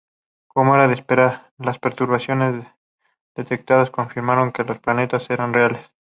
Como era de esperar, las perturbaciones detectadas confirmaron que los planetas eran reales.